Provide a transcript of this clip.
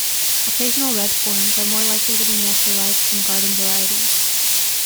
Occasional red forms are more likely to be naturalised from garden varieties.